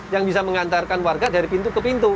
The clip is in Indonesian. yang bisa mengantarkan warga dari pintu ke pintu